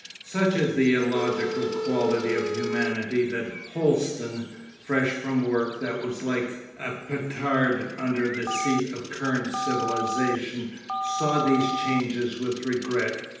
Such is the illogical quality of humanity that Holsten, fresh from work that was like a petard under the seat of current civilisation, saw these changes with regret.